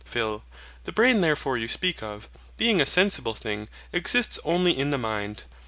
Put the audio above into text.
PHIL. The brain therefore you speak of, being a sensible thing, exists only in the mind.